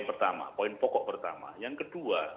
pertama poin pokok pertama yang kedua